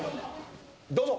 どうぞ。